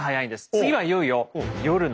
次はいよいよ夜の天守。